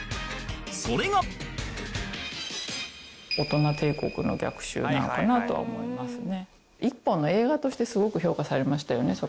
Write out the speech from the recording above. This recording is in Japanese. それがなのかなとは思いますね。